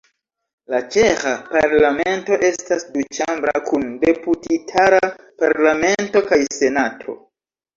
La ĉeĥa Parlamento estas duĉambra, kun Deputitara Parlamento kaj Senato.